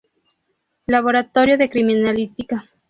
Laboratorio de criminalística.